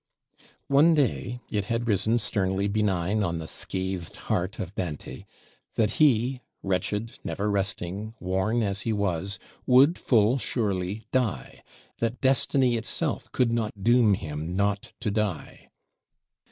One day, it had risen sternly benign on the scathed heart of Dante, that he, wretched, never resting, worn as he was, would full surely die; "that Destiny itself could not doom him not to die."